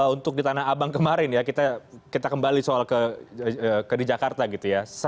untuk di tanah abang kemarin ya kita kembali soal di jakarta gitu ya